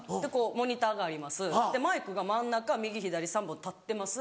モニターがありますでマイクが真ん中右左３本立ってます。